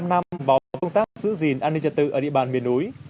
một mươi năm năm báo công tác giữ gìn an ninh trật tự ở địa bàn miền núi